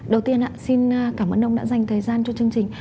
đầu tiên xin cảm ơn ông đã dành thời gian cho chương trình